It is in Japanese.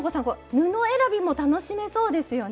布選びも楽しめそうですよね。